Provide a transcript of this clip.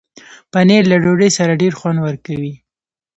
پنېر له ډوډۍ سره ډېر خوند ورکوي.